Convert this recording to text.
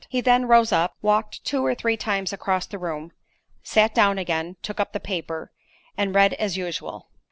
He then rose up—walked two or three times across the room—sat down again—took up the paper—and read as usual.